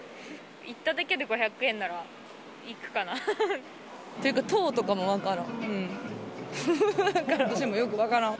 行っただけで５００円なら行っていうか党とかも分からん。